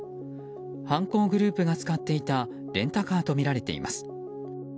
犯行グループが使っていたレンタカーとみられています。